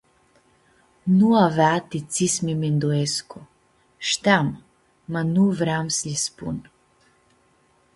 Nu avea ti tsi s-mi minduescu, shteam, ma nu vream s-lji spun.